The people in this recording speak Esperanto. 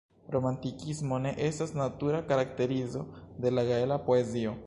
Romantikismo ne estas natura karakterizo de la gaela poezio.